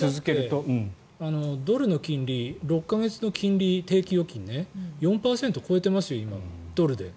ドルの金利６か月の金利、定期預金ね４％を超えてますよ、ドルで。